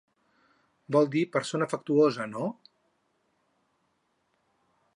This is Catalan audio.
Vol dir persona afectuosa, no?